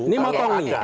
ini mau tonggung ya